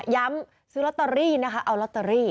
ซื้อลอตเตอรี่นะคะเอาลอตเตอรี่